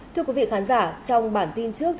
thưa quý vị khán giả trong bản tin trước